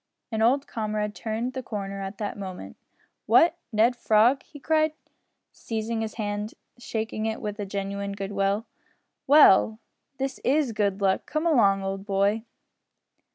An old comrade turned the corner at that moment. "What! Ned Frog!" he cried, seizing his hand and shaking it with genuine goodwill. "Well, this is good luck. Come along, old boy!"